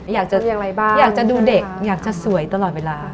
อยากจะดูเด็กอยากจะสวยตลอดเวลา